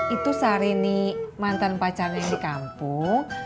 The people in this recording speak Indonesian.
itu sari ni mantan pacarnya yang di kampung